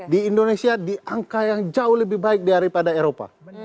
di indonesia di angka yang jauh lebih baik daripada eropa